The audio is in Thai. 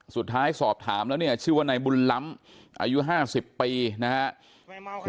สอบถามแล้วเนี่ยชื่อว่านายบุญล้ำอายุ๕๐ปีนะครับ